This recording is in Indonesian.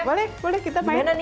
boleh boleh kita main